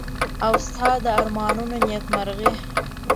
او ستا د ارمانونو نېکمرغي.